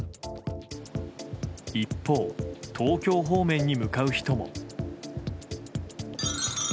一方、東京方面に向かう人も。